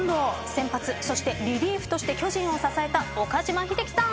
先発そしてリリーフとして巨人を支えた岡島秀樹さん。